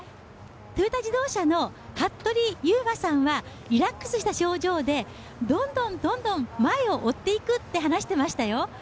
トヨタ自動車の服部勇馬さんはリラックスした表情で、どんどん前を追っていくと話していましたよ。